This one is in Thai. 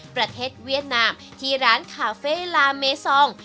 ประเทศเวียดนามที่ร้านคาเฟ่ลาเมซอง